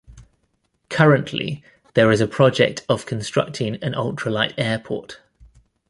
Currently there is a project of constructing an ultralight airport.